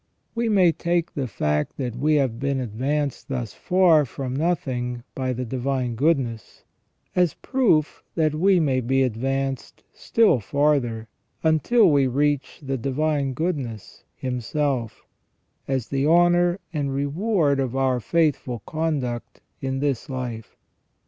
We may take the fact that we have been advanced thus far from nothing by the Divine Goodness, as proof that we may be advanced still farther, until we reach the Divine Goodness Himself, as the honour and reward of our faithful conduct in this life.